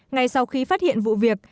ngày sau khi phát hiện vụ việc